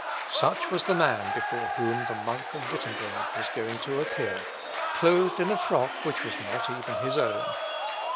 Such was the man before whom the monk of Wittemberg was going to appear, clothed in a frock which was not even his own.